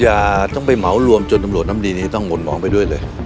อย่าต้องไปเหมารวมจนตำรวจน้ำดีนี้ต้องห่นหมองไปด้วยเลย